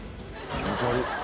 気持ち悪い。